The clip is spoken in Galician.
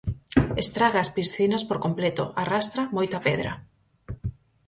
Estraga as piscinas por completo, arrastra moita pedra.